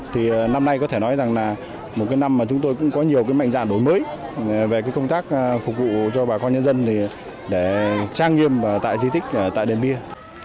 thì năm nay có thể nói rằng là một cái năm mà chúng tôi cũng có nhiều mạnh dạng đổi mới về công tác phục vụ cho bà con nhân dân để trang nghiêm tại di tích tại đền bia